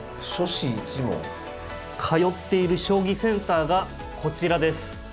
通っている将棋センターがこちらです。